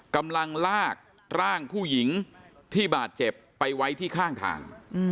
กำลังลากร่างผู้หญิงที่บาดเจ็บไปไว้ที่ข้างทาง